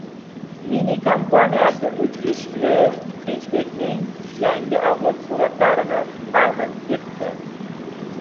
Mini kompaniyasi uch eshikli xetchbekining yangi avlodi suratlarini taqdim etdi